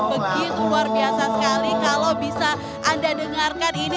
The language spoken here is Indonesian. begitu luar biasa sekali kalau bisa anda dengarkan ini